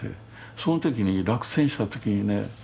その時に落選した時にね